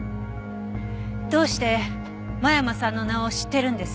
どうして間山さんの名を知ってるんです？